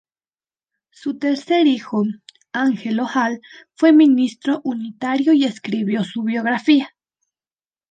Su tercer hijo, Angelo Hall, fue ministro unitario y escribió su biografía.